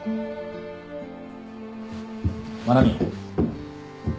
真奈美。